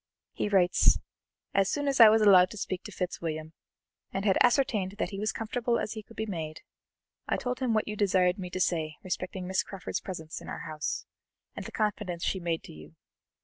He writes: 'As soon as I was allowed to speak to Fitzwilliam, and had ascertained that he was comfortable as he could be made, I told him what you desired me to say respecting Miss Crawford's presence in our house, and the confidence she made to you.